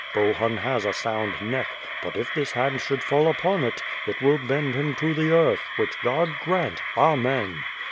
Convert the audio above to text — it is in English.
Bohun has a sound neck, but if this hand should fall upon it, it will bend him to the earth, which God prant, Amen!